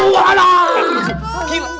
eh ngapain kamu di sini